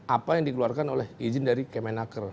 apa yang dikeluarkan oleh izin dari kemenaker